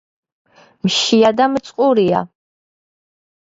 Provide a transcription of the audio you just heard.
მშია და მწყურია